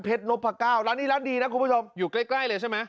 นพก้าวร้านนี้ร้านดีนะคุณผู้ชมอยู่ใกล้เลยใช่ไหม